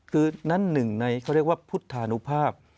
คือนั่นหนึ่งในเขาเรียกว่าพุทธานุภาพ